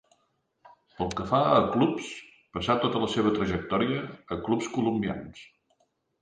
Pel que fa a clubs, passà tota la seva trajectòria a clubs colombians.